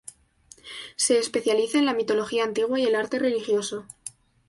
Se especializa en la mitología antigua y el arte religioso.